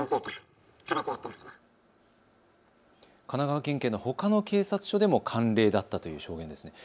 神奈川県警のほかの警察署でも慣例だったという証言です。